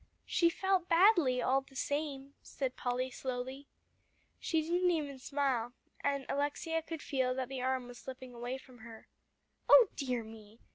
"She felt badly, all the same," said Polly slowly. She didn't even smile, and Alexia could feel that the arm was slipping away from her. "Oh dear me!"